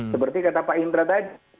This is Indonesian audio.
seperti kata pak indra tadi